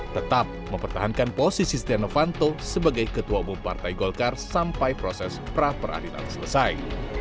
tetap mempertahankan posisi stiano fanto sebagai ketua umum partai golkar sampai proses pra peradilan selesai